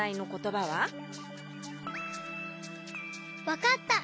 わかった！